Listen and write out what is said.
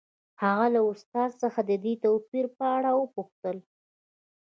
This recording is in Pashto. هغه له استاد څخه د دې توپیر په اړه وپوښتل